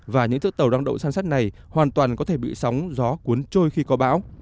và những chiếc tàu đăng đậu san sát này hoàn toàn có thể bị sóng gió cuốn trôi khi có bão